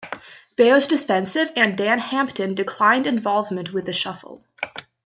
Bears defensive end Dan Hampton declined involvement with the shuffle.